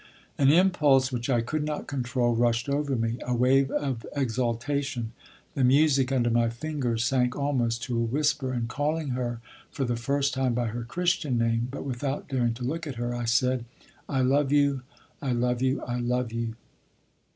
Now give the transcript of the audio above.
An impulse which I could not control rushed over me, a wave of exultation, the music under my fingers sank almost to a whisper, and calling her for the first time by her Christian name, but without daring to look at her, I said: "I love you, I love you, I love you."